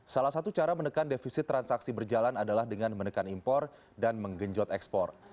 salah satu cara menekan defisit transaksi berjalan adalah dengan menekan impor dan menggenjot ekspor